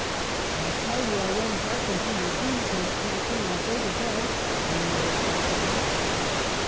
"' I tell you, I won't hearken to your dreams, Miss Catharine. I'll go to bed,' I interrupted again.